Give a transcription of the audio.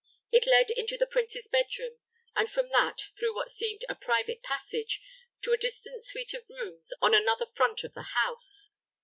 It led into the prince's bed room, and from that, through what seemed a private passage, to a distant suite of rooms on another front of the house.